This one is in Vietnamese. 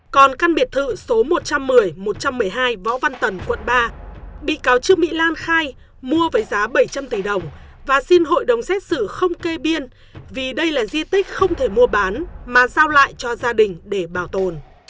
còn căn biệt thự số một trăm một mươi một trăm một mươi hai võ văn tần quận ba bị cáo trương mỹ lan khai mua với giá bảy trăm linh tỷ đồng và xin hội đồng xét xử không kê biên vì đây là di tích không thể mua bán mà giao lại cho gia đình để bảo tồn